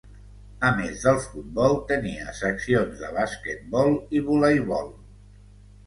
A més del futbol tenia seccions de basquetbol i voleibol.